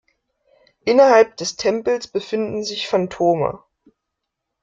Innerhalb des Tempels befinden sich Phantome.